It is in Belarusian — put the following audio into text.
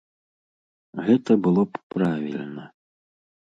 Гэта было б правільна.